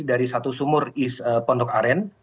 dari satu sumur east pondok aren